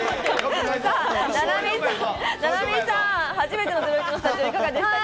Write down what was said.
菜波さん、初めての『ゼロイチ』のスタジオ、いかがでしたか？